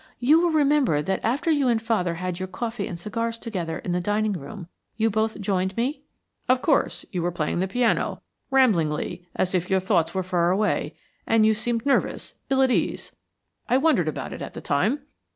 "You will remember that after you and father had your coffee and cigars together in the dining room, you both joined me?" "Of course. You were playing the piano, ramblingly, as if your thoughts were far away, and you seemed nervous, ill at ease. I wondered about it at the time."